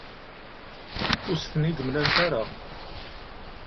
Ur as-ten-id-mlant ara.